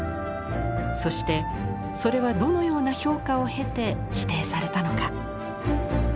そしてそれはどのような評価を経て指定されたのか。